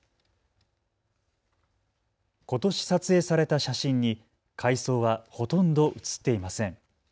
ことし撮影された写真に海藻はほとんど写っていません。